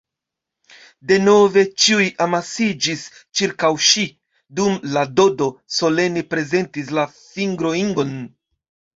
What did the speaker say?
Denove ĉiuj amasiĝis ĉirkaŭ ŝi, dum la Dodo solene prezentis la fingroingon.